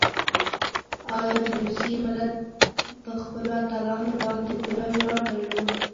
ایا د روسیې ملت په خپلو اتلانو باندې پوره ویاړ درلود؟